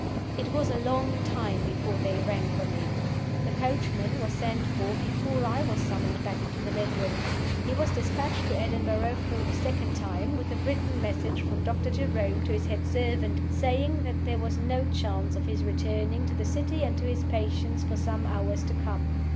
"It was a long time before they rang for me. The coachman was sent for before I was summoned back to the bedroom. He was dispatched to Edinburgh for the second time, with a written message from Dr. Jerome to his head servant, saying that there was no chance of his returning to the city and to his patients for some hours to come.